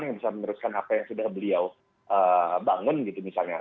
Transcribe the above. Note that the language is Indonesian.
yang bisa meneruskan apa yang sudah beliau bangun gitu misalnya